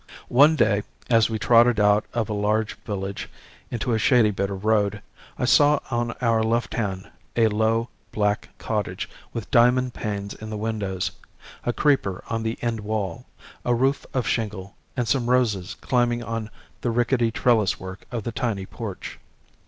One day, as we trotted out of a large village into a shady bit of road, I saw on our left hand a low, black cottage, with diamond panes in the windows, a creeper on the end wall, a roof of shingle, and some roses climbing on the rickety trellis work of the tiny porch.